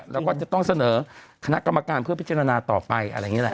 แล้วก็จะต้องเสนอคณะกรรมการเพื่อพิจารณาต่อไปอะไรอย่างนี้แหละ